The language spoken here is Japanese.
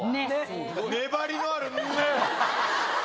粘りのある、ね？